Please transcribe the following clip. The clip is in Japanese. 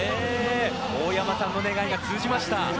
大山さんの願いが通じました。